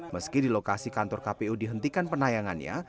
meski di lokasi kantor kpu dihentikan penayangannya